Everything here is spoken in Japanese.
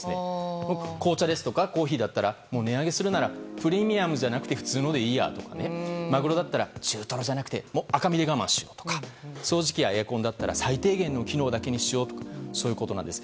紅茶ですとかコーヒーでしたら値上がするならプレミアムじゃなくて普通のでいいやとかマグロだったら中トロじゃなくて赤身で我慢しようとか掃除機やエアコンなら最低限の機能だけにしようとかそういうことなんです。